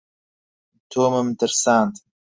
تۆمم ترساند.